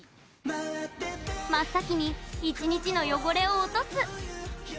真っ先に１日の汚れを落とす。